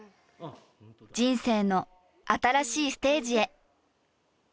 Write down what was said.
人生の新しいステージへ！